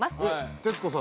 徹子さん